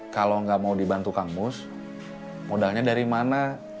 kalau gak mau dibantu kang mus modalnya dari mana